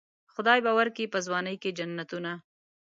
خدای به ورکي په ځوانۍ کې جنتونه.